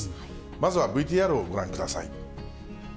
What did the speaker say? まずはＶＴＲをご覧ください。